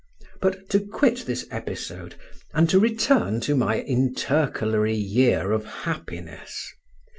But to quit this episode, and to return to my intercalary year of happiness.